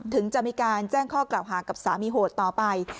ถึงจะมีการแจ้งข้อกล่าวหากับสามีโหดต่อไป